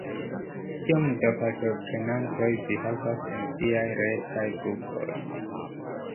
Kiom da partoprenantoj vi havas en viaj retaj grupoj?